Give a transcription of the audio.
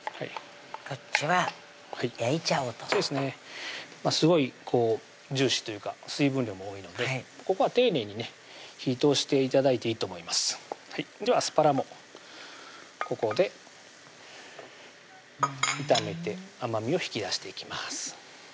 こっちは焼いちゃおうとそうですねすごいジューシーというか水分量も多いのでここは丁寧にね火ぃ通して頂いていいと思いますではアスパラもここで炒めて甘みを引き出していきます